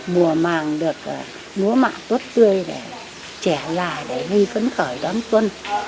mùa màng được múa mạng tốt tươi để trẻ già để ghi phấn khởi đón xuân